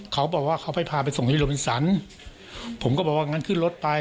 เขาบอกว่าเขาไปพาไปส่งที่โรบินสันผมก็บอกว่างั้นขึ้นรถไป